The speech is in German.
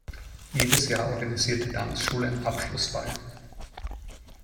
Jedes Jahr organisiert die Tanzschule einen Abschlussball.